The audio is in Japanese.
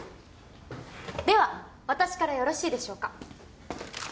では私からよろしいでしょうか？